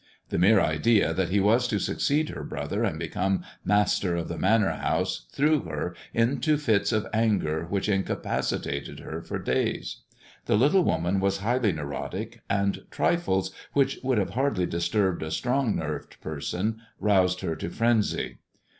The mere idea that he was to succeed her brother, and become master of the Manor House, threw her into fits of anger which incapaci tated her for days. The little woman was highly neurotic, and trifles, which would have hardly disturbed a strong nerved person, roused her to frenzy.